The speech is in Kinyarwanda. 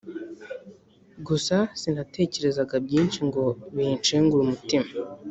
gusa sinatekerezaga byinshi ngo binshengure umutima